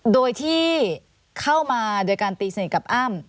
โดยที่เข้ามาโดยการตีสนิทกับอ้ำ